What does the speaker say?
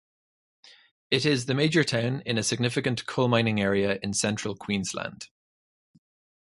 It is the major town in a significant coal mining area in Central Queensland.